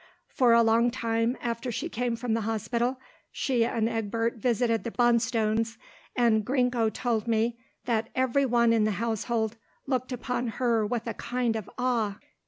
For a long time, after she came from the hospital, she and Egbert visited the Bonstones, and Gringo told me that every one in the household looked upon her with a kind of awe.